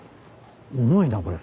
重いなこれ。